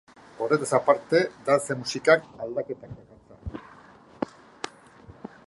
Horretaz aparte, dance musikak aldaketak dakartza.